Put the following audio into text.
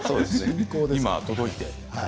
今、届いて。